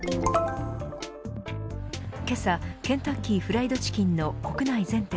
けさケンタッキーフライドチキンの国内全店